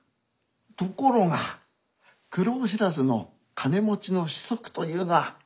ところが苦労知らずの金持ちの子息というのはいけませんな。